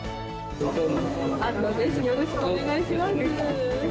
よろしくお願いします。